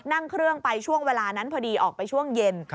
นั่งเครื่องไปช่วงเวลานั้นพอดีออกไปช่วงเย็น